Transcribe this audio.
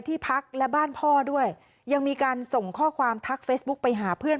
ที่พักและบ้านพ่อด้วยยังมีการส่งข้อความทักเฟซบุ๊กไปหาเพื่อน